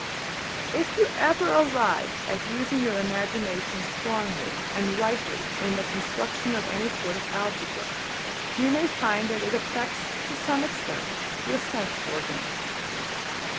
If you ever arrive at using your imagination strongly and rightly in the construction of any sort of algebra, you may find that it affects to some extent your sense organs.